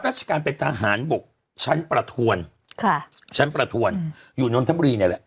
รับรัชกาลเป็นทหารบวกชั้นประถวรชั้นประถวรอยู่น้นทำบุรีไหนละ